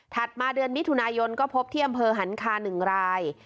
ถัดมาเดือนมิถุนายนก็พบเที่ยมเผอร์หันคาหนึ่งราย